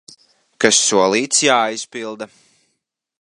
Kas solīts, jāizpilda!